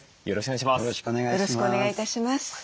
よろしくお願いします。